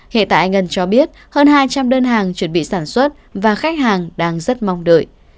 hệ tại anh ân cho biết hơn hai trăm linh đơn hàng chuẩn bị sản xuất và khách hàng đang rất mong đợi